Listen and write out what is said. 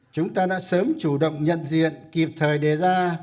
chúng ta đã sớm chủ động nhận diện kịp thời đề ra